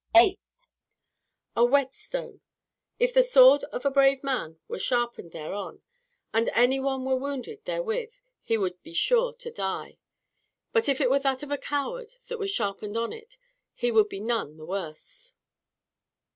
8. A whetstone; if the sword of a brave man were sharpened thereon, and any one were wounded therewith, he would be sure to die; but if it were that of a coward that was sharpened on it, he would be none the worse.